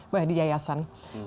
bah di yayasan